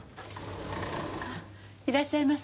いらっしゃいませ。